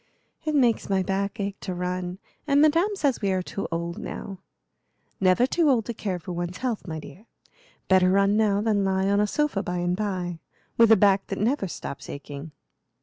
"It makes my back ache to run, and Madame says we are too old now." "Never too old to care for one's health, my dear. Better run now than lie on a sofa by and by, with a back that never stops aching."